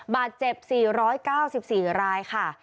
บาทเจ็บ๔๙๔รายค่ะ